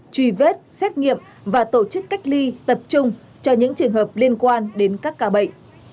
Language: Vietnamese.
truy vết xét nghiệm và tổ chức cách ly tập trung cho những trường hợp liên quan đến các ca bệnh